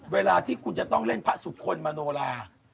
เวลาที่คุณจะต้องเล่นพระสุคลมโนลา